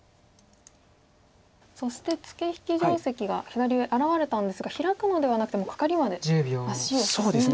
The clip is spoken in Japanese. そしてツケ引き定石が左上現れたんですがヒラくのではなくてカカリまで足を進めましたね。